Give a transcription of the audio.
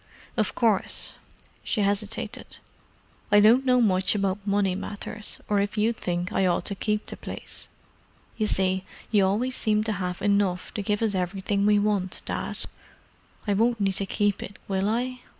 Of course,"—she hesitated—"I don't know much about money matters, or if you think I ought to keep the place. You see, you always seem to have enough to give us everything we want, Dad. I won't need to keep it, will I?